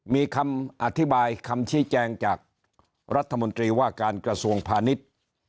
มีคำอธิบายคำชี้แจงจากรัฐมนตรีว่าการกระทรวงพาณิชย์